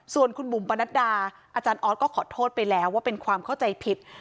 ส่วนคุณบุ๋มปนัดดาอาจารย์ออสก็ขอโทษไปแล้วว่าเป็นความเข้าใจผิด